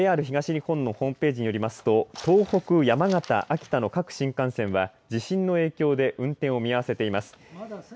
ＪＲ東日本のホームページによりますと東北、山形、秋田の各新幹線は地震の影響で運転を見合わせています。